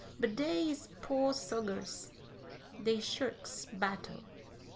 But dey is po' sogers; dey shirks battle.